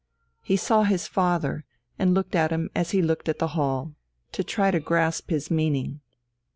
He saw his father, and looked at him as he looked at the hall, to try to grasp his meaning.